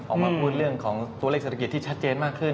ออกมาพูดเรื่องของตัวเลขเศรษฐกิจที่ชัดเจนมากขึ้น